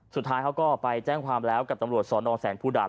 สุดท้ายเขาก็ไปแจ้งความแล้วกับตำรวจสอนอแสนภูดาต